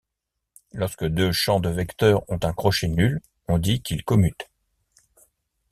Lorsque deux champs de vecteurs ont un crochet nul, on dit qu'ils commutent.